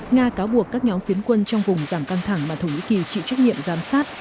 nga cáo buộc các nhóm phiến quân trong vùng giảm căng thẳng mà thổ nhĩ kỳ chịu trách nhiệm giám sát